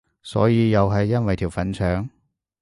所以又係因為條粉腸？